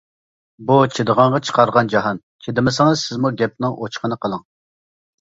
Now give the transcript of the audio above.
بۇ چىدىغانغا چىقارغان جاھان، چىدىمىسىڭىز سىزمۇ گەپنىڭ ئوچۇقىنى قىلىڭ.